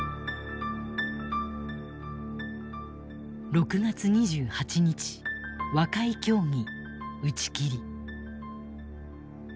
６月２８日和解協議打ち切り。